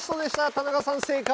田中さん正解！